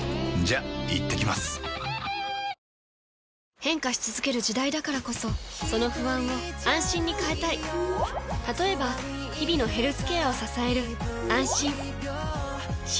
変化し続ける時代だからこそその不安を「あんしん」に変えたい例えば日々のヘルスケアを支える「あんしん」